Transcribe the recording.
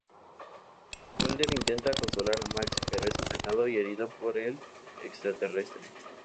Mulder intenta consolar a Max, pero es atacado y herido por el extraterrestre.